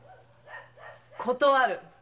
断る。